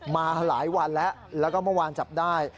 มาหลายวันแล้วแล้วก็เมื่อวานจับได้